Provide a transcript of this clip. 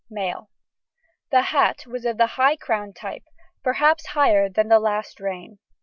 MALE. The hat was of the high crowned type, perhaps higher than in the last reign.